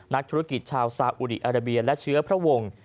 นักธุรกิจชาวซาอุดีอาราเบียและเชื้อพระวงศ์